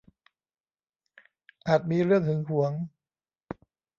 อาจมีเรื่องหึงหวง